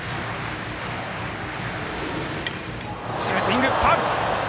強いスイング、ファウル。